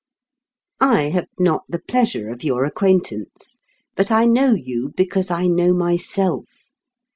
I have not the pleasure of your acquaintance. But I know you because I know myself.